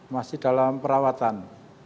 masih dalam perawatan